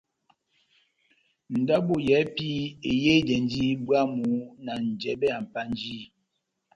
Ndabo yɛ́hɛ́pi eyehidɛndi bwámu na njɛbɛ ya Mpanjiyi.